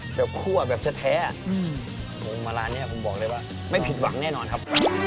แบบคั่วแบบแท้งมาร้านนี้ผมบอกเลยว่าไม่ผิดหวังแน่นอนครับ